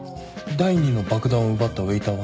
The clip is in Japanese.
第２の爆弾を奪ったウエーターは？